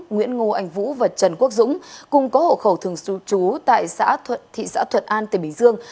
nguyễn ngô anh vũ và trần quốc dũng cùng có hộ khẩu thường sưu trú tại thị xã thuật an tỉnh bình dương